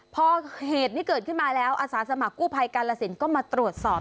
พอเหตุนี้เกิดขึ้นมาแล้วอาสาสมัครกู้ภัยกาลสินก็มาตรวจสอบ